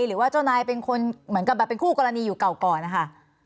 หรือว่าเจ้านายเป็นคนเหมือนกับแบบเป็นคู่กรณีอยู่เก่าก่อนนะคะ